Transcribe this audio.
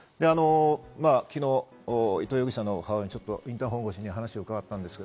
昨日、伊藤容疑者の母親にインターフォン越しに話を伺いました。